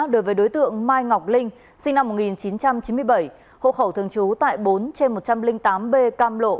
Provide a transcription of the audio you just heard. đối với đối tượng mai ngọc linh sinh năm một nghìn chín trăm chín mươi bảy hộ khẩu thường trú tại bốn trên một trăm linh tám b cam lộ